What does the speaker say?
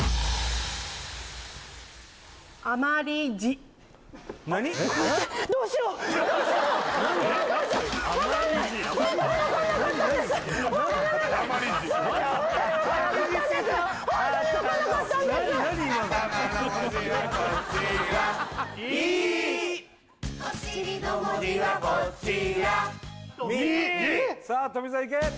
えっ？さあ富澤いけ！